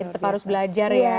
tetap harus belajar ya